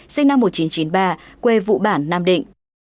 sinh năm một nghìn chín trăm chín mươi ba quê vụ bản nam định